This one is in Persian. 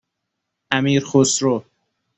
امیرخسرو